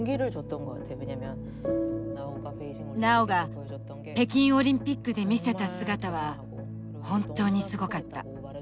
ナオが北京オリンピックで見せた姿は本当にすごかった。